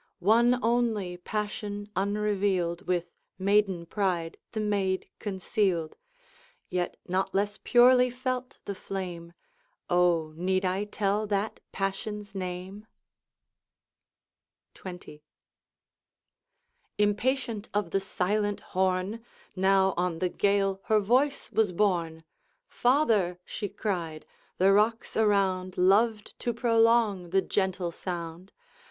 One only passion unrevealed With maiden pride the maid concealed, Yet not less purely felt the flame; O, need I tell that passion's name? XX. Impatient of the silent horn, Now on the gale her voice was borne: 'Father!' she cried; the rocks around Loved to prolong the gentle sound.